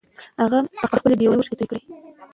هغه په خپلې بې وسۍ اوښکې توې کړې.